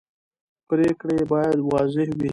پرېکړې باید واضح وي